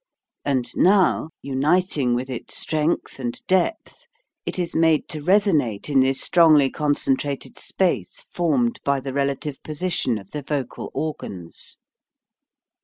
And now, uniting with it strength and depth, it is made to resonate in this strongly concentrated space formed by the relative position of the vocal organs.